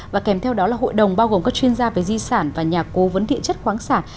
và kèm theo đó là hội đồng bao gồm các chuyên gia về di sản và nhà cố vấn thị chất khoáng sản